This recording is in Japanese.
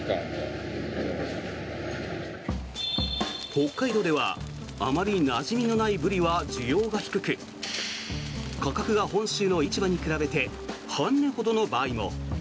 北海道ではあまりなじみのないブリは需要が低く価格が本州の市場に比べて半値ほどの場合も。